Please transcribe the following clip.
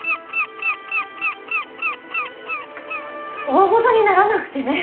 大ごとにならなくてね。